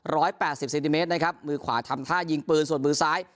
แปดสิบเซนติเมตรนะครับมือขวาทำท่ายิงปืนส่วนมือซ้าย